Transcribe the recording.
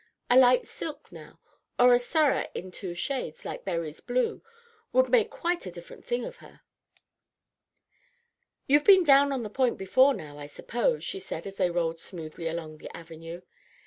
A light silk, now, or a surah in two shades, like Berry's blue, would make quite a different thing of her." "You've been down on the Point before now, I suppose," she said as they rolled smoothly along the Avenue.